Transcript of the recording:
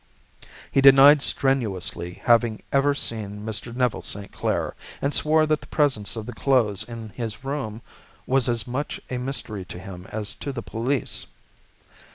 He denied strenuously having ever seen Mr. Neville St. Clair and swore that the presence of the clothes in his room was as much a mystery to him as to the police.